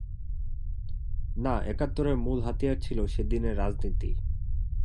না, একাত্তরের মূল হাতিয়ার ছিল সেদিনের রাজনীতি।